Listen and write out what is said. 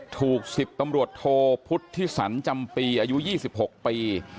ถูกสิบตำรวจโทพุทธศรรย์จำปีอายุ๒๖ปี